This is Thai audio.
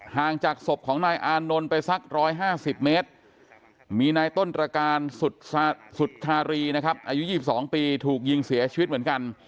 ห่างจากศพของนายอานนท์ไปสัก๑๕๐เมตรมีนายต้นตรการสุธารีนะครับอายุ๒๒ปีถูกยิงเสียชีวิตเหมือนกัน